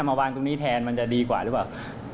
มาวางตรงนี้แทนมันจะดีกว่าหรือเปล่า